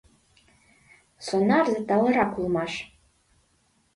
Сонарзе талырак улмаш.